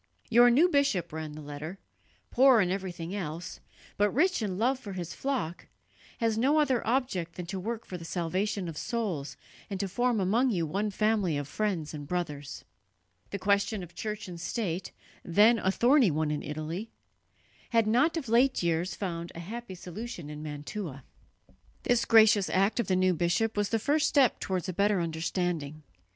"Your new bishop," ran the letter, "poor in everything else, but rich in love for his flock, has no other object than to work for the salvation of souls and to form among you one family of friends and brothers." The question of church and state, then a thorny one in Italy, had not of late years found a happy solution in Mantua. This gracious act of the new bishop was the first step towards a better understanding.